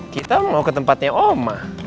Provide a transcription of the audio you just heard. kita mau ke tempatnya oma